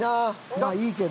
まあいいけど。